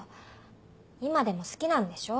今でも好きなんでしょ？